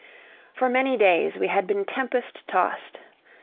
For many days we had been tempest tossed.